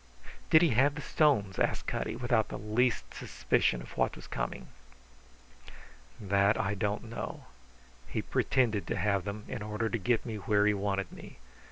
"Did he have the stones?" asked Cutty, without the least suspicion of what was coming. "That I don't know. He pretended to have them in order to get me where he wanted me.